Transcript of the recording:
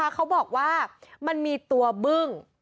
เขาบอกว่ามันมีตัวบึ้ง